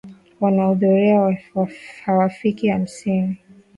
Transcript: Wanaohudhuria hawafiki hamsini.